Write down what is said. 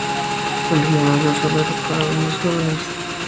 El gimnasio sólo era para los hombres jóvenes.